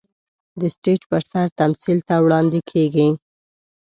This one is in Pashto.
د سټېج پر سر تمثيل ته وړاندې کېږي.